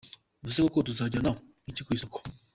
Ubu se koko tuzajyana iki ku isoko?’’.